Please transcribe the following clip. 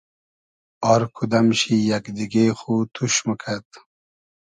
آر کودئم شی یئگ دیگې خو توش موکئد